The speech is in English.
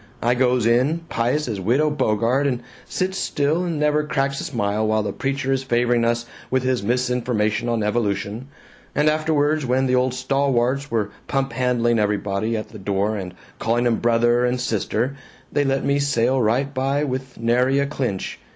I goes in, pious as Widow Bogart, and sits still and never cracks a smile while the preacher is favoring us with his misinformation on evolution. But afterwards, when the old stalwarts were pumphandling everybody at the door and calling 'em 'Brother' and 'Sister,' they let me sail right by with nary a clinch.